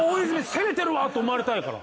攻めてるわって思われたいから。